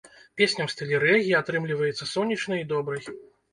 Песня ў стылі рэгі, атрымліваецца сонечнай і добрай.